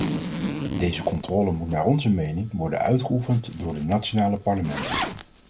Deze controle moet naar onze mening worden uitgeoefend door de nationale parlementen.